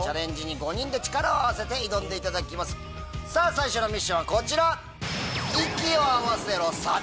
最初のミッションはこちら！